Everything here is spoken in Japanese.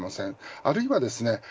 あるいはですね